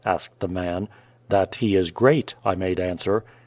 asked the man. " That He is great," I made answer.